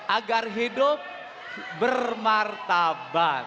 agar hidup bermartabat